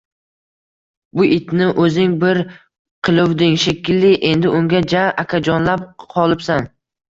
– Bu itni o‘zing ko‘r qiluvding, shekilli? Endi unga ja akajonlab qolibsan?